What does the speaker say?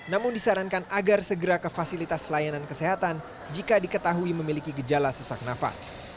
namun disarankan agar segera ke fasilitas layanan kesehatan jika diketahui memiliki gejala sesak nafas